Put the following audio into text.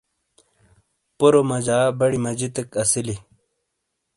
پرو مجا بڑی مجتیک اسیلی۔